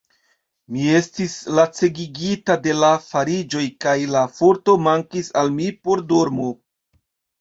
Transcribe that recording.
Mi estis lacegigita de la fariĝoj, kaj la forto mankis al mi por dormo.